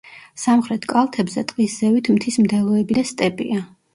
სამხრეთ კალთებზე ტყის ზევით მთის მდელოები და სტეპია.